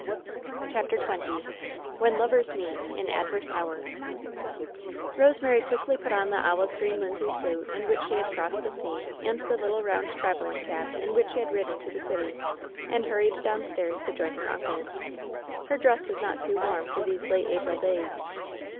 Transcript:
118 WHEN SHADOWS DIE CHAPTER XX "when lovebs meet in advebse hottb" EosEMARY quickly put on the olive green linsey suit in which she had crossed the sea, and the little round travel^ ing cap in which she had ridden to the city, and hur ried downstairs to join her uncle. Her dress was not too warm for these late April days.